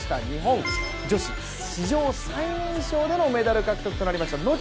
日本女子史上最年少でのメダル獲得となりました。